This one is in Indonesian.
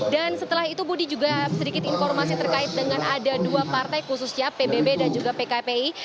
dan setelah itu budi juga sedikit informasi terkait dengan ada dua partai khususnya pbb dan juga pkpi